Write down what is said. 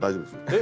え？